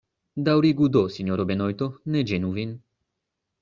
Daŭrigu do, sinjoro Benojto; ne ĝenu vin.